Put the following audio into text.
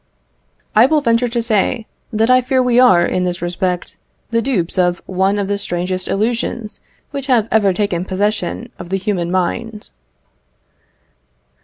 I will venture to say that I fear we are, in this respect, the dupes of one of the strangest illusions which have ever taken possession of the human mind.